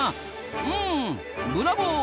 うんブラボー！